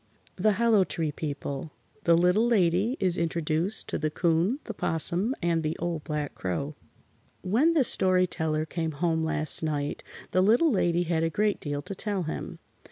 THE HOLLOW TREE PEOPLE THE LITTLE LADY IS INTRODUCED TO THE 'COON, THE 'POSSUM AND THE OLD BLACK CROW When the Story Teller came home last night the Little Lady had a great deal to tell him.